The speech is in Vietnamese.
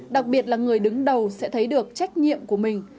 đặc biệt là người đứng đầu sẽ thấy được trách nhiệm của mình